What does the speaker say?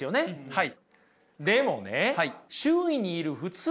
はい。